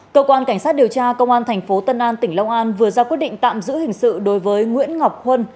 cơ quan cảnh sát điều tra công an thành phố tân an tỉnh long an vừa ra quyết định tạm giữ hình sự đối với nguyễn ngọc huân